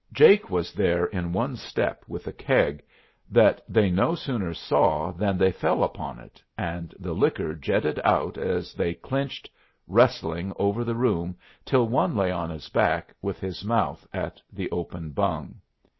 Jake was there in one step with a keg, that they no sooner saw than they fell upon it, and the liquor jetted out as they clinched, wrestling over the room till one lay on his back with his mouth at the open bung.